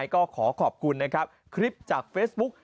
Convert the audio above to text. ก็ขอขอบคุณนะครับคลิปจากเฟซบุ๊ก